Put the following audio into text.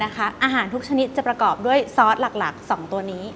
อาหารทุกชนิดจะประกอบด้วยซอสหลัก๒ตัวนี้